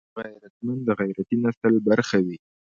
غیرتمند د غیرتي نسل برخه وي